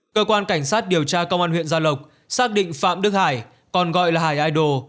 cơ quan cảnh sát điều tra công an huyện gia lộc xác định phạm đức hải còn gọi là hải ai đồ